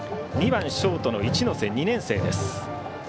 ２番ショート、一ノ瀬２年生です。